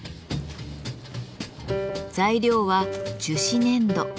材料は樹脂粘土。